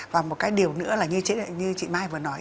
và một cái điều nữa là như chị mai vừa nói